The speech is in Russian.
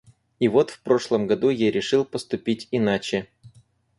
И вот в прошлом году я решил поступить иначе.